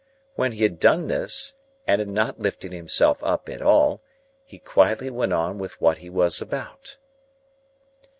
When he had done this, and had not lifted himself up at all, he quietly went on with what he was about.